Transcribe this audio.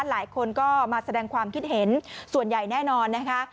หลายคนก็มาแสดงความคิดเห็นส่วนใหญ่แน่นอนนะคะ